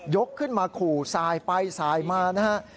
ยกขึ้นมาขู่ทรายไปทรายมานะครับ